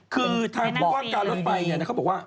คือถ้าบอกว่าการรถไฟเขาบอกว่า